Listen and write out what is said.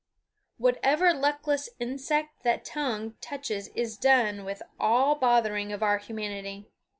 Whatever luckless insect the tongue touches is done with all bothering of our humanity.